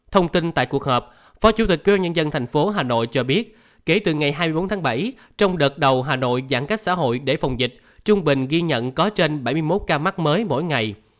thông tin tại cuộc họp phó chủ tịch ubnd tp hà nội cho biết kể từ ngày hai mươi bốn tháng bảy trong đợt đầu hà nội giãn cách xã hội để phòng dịch trung bình ghi nhận có trên bảy mươi một ca mắc mới mỗi ngày